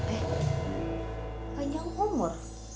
eh panjang umur